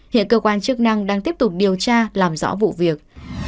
hiện cơ quan chức năng đang tiếp tục điều tra làm rõ vụ việc